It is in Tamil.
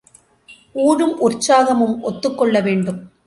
ஊழும் உற்சாகமும் ஒத்துக்கொள்ள வேண்டும்.